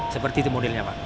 seperti itu modelnya pak